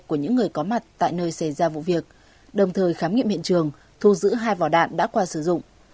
của những người có mặt tại nơi xảy ra vụ việc đồng thời khám nghiệm hiện trường thu giữ hai vỏ đạn đã qua sử dụng